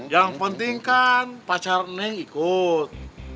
yang pentingkan pacar neng ikut